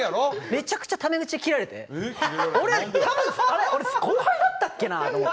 めちゃくちゃタメ口でキレられて「あれ？俺後輩だったっけな」と思って。